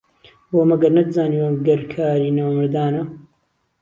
بۆ مهگهر نهتزانیوه گهر کاری نامهردانه